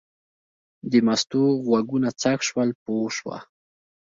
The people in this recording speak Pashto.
د مستو غوږونه څک شول پوه شوه.